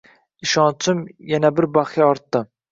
Ishonchim yana bir baxya ortdi